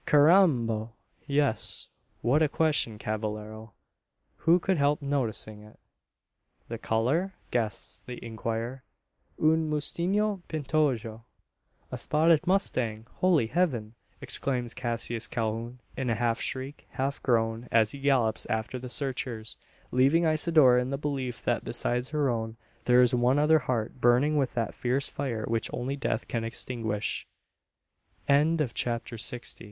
"Carrambo! yes. What a question, cavallero! Who could help noticing it?" "The colour?" gasps the inquirer. "Un musteno pintojo." "A spotted mustang! Holy Heaven!" exclaims Cassius Calhoun, in a half shriek, half groan, as he gallops after the searchers leaving Isidora in the belief, that, besides her own, there is one other heart burning with that fierce fire which only death can extinguish! CHAPTER SIXTY ONE.